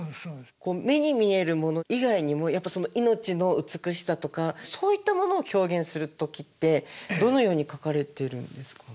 目に見えるもの以外にもやっぱその命の美しさとかそういったものを表現する時ってどのように描かれてるんですか？